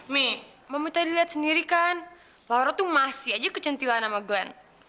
mi mami tadi liat sendiri kan laura tuh masih aja kecantilan sama glenn